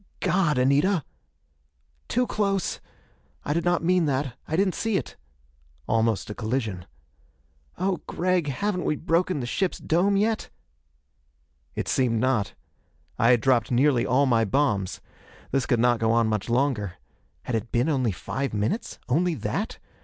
"God, Anita!" "Too close! I did not mean that I didn't see it." Almost a collision. "Oh, Gregg, haven't we broken the ship's dome yet?" It seemed not. I had dropped nearly all my bombs. This could not go on much longer. Had it been only five minutes? Only that?